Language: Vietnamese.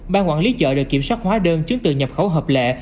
ban quản lý chợ đều kiểm soát hóa đơn trước từ nhập khẩu hợp lệ